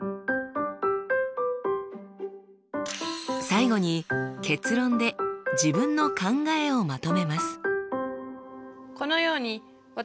最後に結論で自分の考えをまとめます。